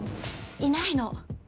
いないの。